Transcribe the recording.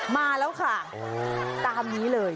มาแล้วค่ะตามนี้เลย